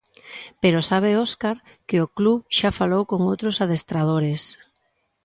Pero sabe Óscar que o club xa falou con outros adestradores.